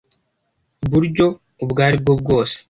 buryo ubwo ari bwo bwose.